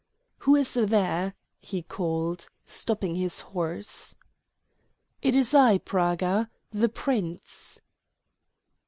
"Who is there?" he called, stopping his horse. "It is I, Praga the Prince."